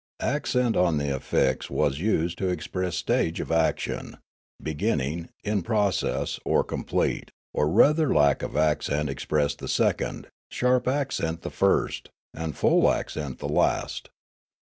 Accent on the affix was used to express stage of action, beginning, in process, or complete ; or rather lack of accent expressed the second, sharp accent the first, and full accent the last.